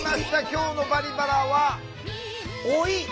今日の「バリバラ」は老い。